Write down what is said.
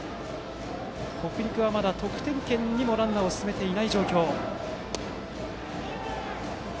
北陸は、まだ得点圏にもランナーを進めていない状況。